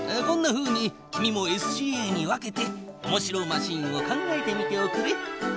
こんなふうに君もＳＣＡに分けておもしろマシンを考えてみておくれ。